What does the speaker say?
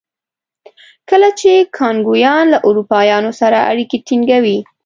کله چې کانګویان له اروپایانو سره اړیکې ټینګوي.